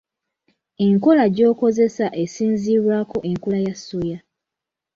Enkola gy'okozesa esinziirwako enkula ya soya.